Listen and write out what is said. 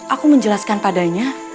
aku menjelaskan padanya